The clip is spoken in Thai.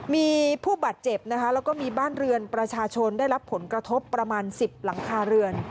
มีผู้บาดเจ็บนะคะแล้วก็มีบ้านเรือนประชาชนได้รับผลกระทบประมาณ๑๐หลังคาเรือน